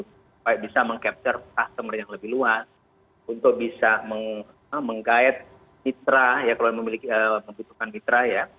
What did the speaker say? supaya bisa mengcapture customer yang lebih luas untuk bisa menggait mitra kalau membutuhkan mitra ya